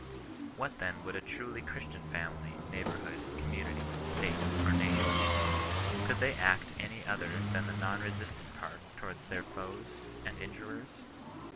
What then would a truly Christian family, neighbourhood, com munity, state, or nation do ? Could they act any other than the non resistant part toward their foes and in jurers